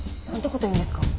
事言うんですか。